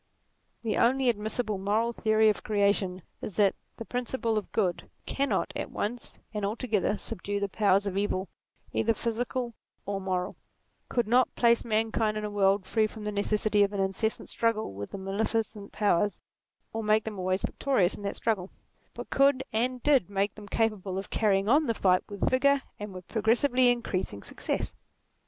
The only admissible moral theory of Creation is that the Principle of Good cannot at once and alto gether subdue the powers of evil, either physical or NATURE 39 moral ; could not place mankind in a world free from the necessity of an incessant struggle with the male ficent powers, or make them always victorious in that struggle, but could and did make them capable of carrying on the fight with vigour and with progres sively increasing success.